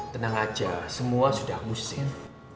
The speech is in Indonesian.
tenang aja semua sudah musim